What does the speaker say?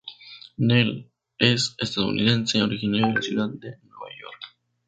Neel es estadounidense, originario de la ciudad de Nueva York.